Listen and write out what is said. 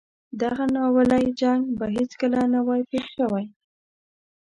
دغه ناولی جنګ به هیڅکله نه وای پېښ شوی.